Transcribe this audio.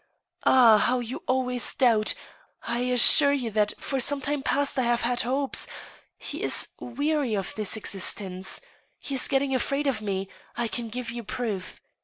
Ah I how you always doubt I ... I assure you that for some time past I have had hopes. ... He is weary of this exist ence. ' He is getting afraid of me. ... I can give you proof.